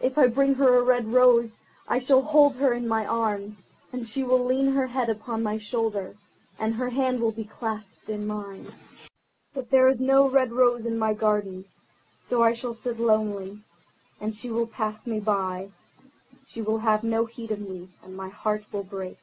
If I bring her a red rose, I shall hold her in my arms, and she will lean her head upon my shoulder, and her hand will be clasped in mine. But there is no red rose in my garden, so I shall sit lonely, and she will pass me by. She will have no heed of me, and my heart will break."